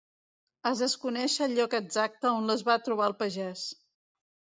Es desconeix el lloc exacte on les va trobar el pagès.